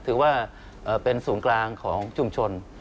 ถือว่าเป็นศูนย์กลางของชุมชน